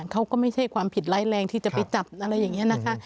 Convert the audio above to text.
เขาก็ไม่ใช่ความผิดร้ายแรงที่จะไปจับอะไรอย่างนี้นะคะ